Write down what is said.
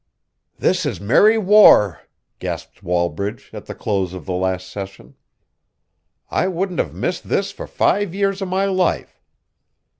"This is merry war," gasped Wallbridge, at the close of the last session. "I wouldn't have missed this for five years of my life.